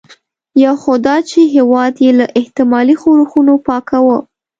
یو خو دا چې هېواد یې له احتمالي ښورښونو پاکاوه.